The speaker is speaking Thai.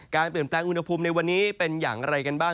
เปลี่ยนแปลงอุณหภูมิในวันนี้เป็นอย่างไรกันบ้าง